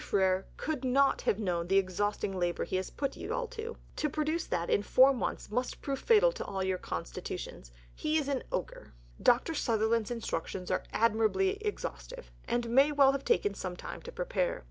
Frere could not have known the exhausting labour he has put you all to; to produce that in four months must prove fatal to all your constitutions! He is an ogre." Dr. Sutherland's Instructions are admirably exhaustive, and may well have taken some time to prepare.